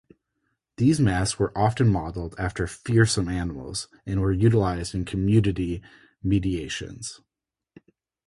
These masks were often modeled after fearsome animals and were utilized in community mediations.